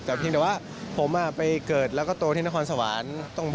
แต่เพียงแต่ว่าผมไปเกิดแล้วก็โตที่นครสวรรค์